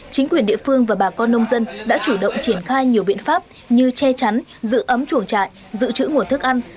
chính quyền địa phương và bà con nông dân đã chủ động triển khai nhiều biện pháp như che chắn giữ ấm chuồng trại giữ chữ nguồn thức ăn